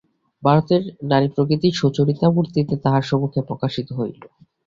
ভারতের নারীপ্রকৃতি সুচরিতা-মূর্তিতে তাহার সম্মুখে প্রকাশিত হইল।